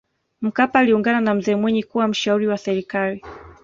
mkapa aliungana na mzee mwinyi kuwa mshauri wa serikali